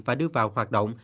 và đưa vào hoạt động